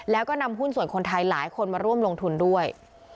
แล้วก็นำหุ้นส่วนคนไทยหลายคนมาร่วมลงทุนด้วย